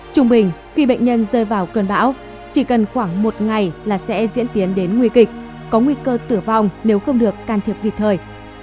trung bình khi bệnh nhân rơi vào cơn bão chỉ cần khoảng một ngày là sẽ diễn tiến đến nguy kịch có nguy cơ tử vong nếu không được can thiệp kịp thời